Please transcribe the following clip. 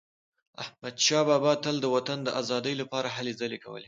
احمدشاه بابا تل د وطن د ازادی لپاره هلې ځلي کولي.